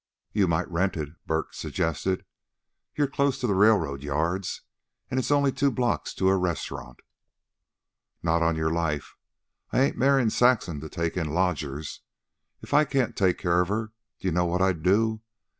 "You might rent it," Bert suggested. "You're close to the railroad yards, and it's only two blocks to a restaurant." "Not on your life. I ain't marryin' Saxon to take in lodgers. If I can't take care of her, d'ye know what I'll do?